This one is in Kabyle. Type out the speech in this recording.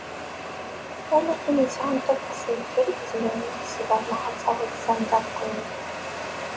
Ala tin yesɛan tabɣest n ddkir i izmren ad tesber neɣ ad taweḍ s anda tewwḍeḍ.